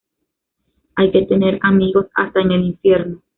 Hay que tener amigos hasta en el infierno